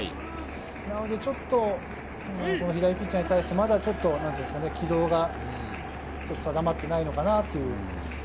だからちょっと左ピッチャーに対してまだちょっと軌道が定まってないのかなという。